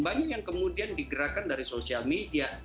banyak yang kemudian digerakkan dari social media